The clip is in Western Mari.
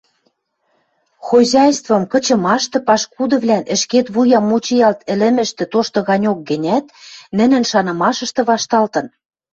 Хозяйствым кычымашты пашкудывлӓн ӹшкет вуя мучыялт ӹлӹмӹштӹ тошты ганьок гӹнят, нӹнӹн шанымашышты вашталтын.